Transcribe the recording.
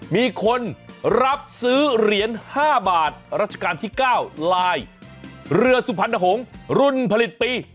มีคนรับซื้อเหรียญ๕บาทรัชกาลที่๙ลายเรือสุพรรณหงษ์รุ่นผลิตปี